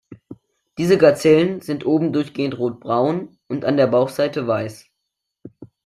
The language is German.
Diese Gazellen sind oben durchgehend rotbraun und an der Bauchseite weiß.